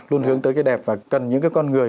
luôn hướng tới cái đẹp và cần những cái con người